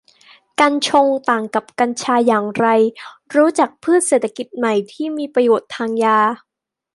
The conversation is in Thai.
กัญชง ต่างกับกัญชาอย่างไร รู้จักพืชเศรษฐกิจใหม่ที่มีประโยชน์ทางยา